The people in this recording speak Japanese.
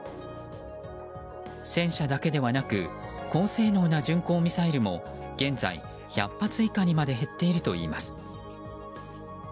戦車だけではなく高性能な巡航ミサイルも現在１００発以下にまで減っているといいます。